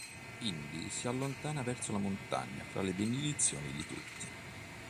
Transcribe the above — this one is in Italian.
Indi si allontana verso la montagna fra le benedizioni di tutti.